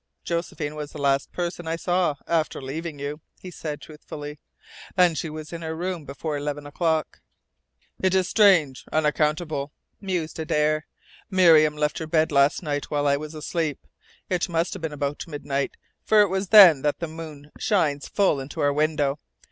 "Josephine was the last person I saw after leaving you," he said truthfully. "And she was in her room before eleven o'clock." "It is strange, unaccountable," mused Adare. "Miriam left her bed last night while I was asleep. It must have been about midnight, for it is then that the moon shines full into our window.